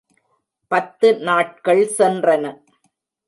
பத்து நாட்கள் சென்றன.